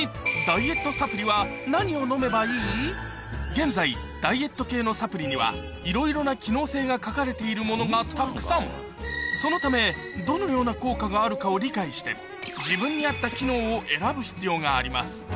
現在ダイエット系のサプリにはいろいろな機能性が書かれているものがたくさんそのためどのような効果があるかを理解して自分に合った機能を選ぶ必要があります